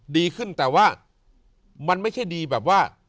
ดีขึ้นแต่ว่ามันไม่ใช่ดีแบบว่า